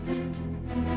bayi ini bukan anakmu